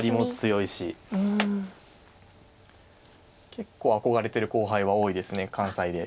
結構憧れてる後輩は多いです関西で。